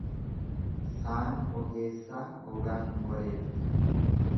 Saani ogeessaa gogaa hin wareertu.